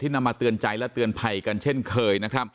นำมาเตือนใจและเตือนภัยกันเช่นเคยนะครับ